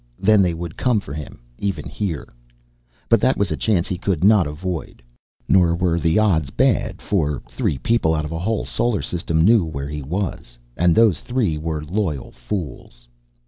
Then they would come for him, even here. But that was a chance he could not avoid. Nor were the odds bad, for three people out of a whole solar system knew where he was. And those three were loyal fools.